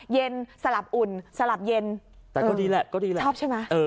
สลับอุ่นสลับเย็นแต่ก็ดีแหละก็ดีแหละชอบใช่ไหม